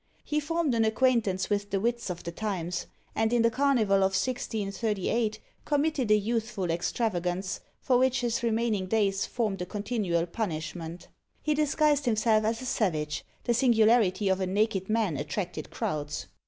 He formed an acquaintance with the wits of the times; and in the carnival of 1638 committed a youthful extravagance, for which his remaining days formed a continual punishment. He disguised himself as a savage; the singularity of a naked man attracted crowds.